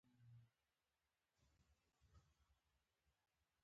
ما هم هڅه وکړه چې وخاندم.